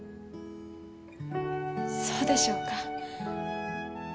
そうでしょうか。